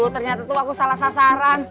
ternyata tuh aku salah sasaran